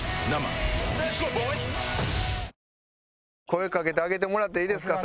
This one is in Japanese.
声かけてあげてもらっていいですか？